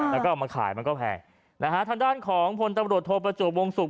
แล้วก็เอามาขายมันก็แพงนะฮะทางด้านของพลตำรวจโทประจวบวงศุกร์